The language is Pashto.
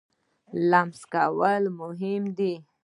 لمس کول مهم دی.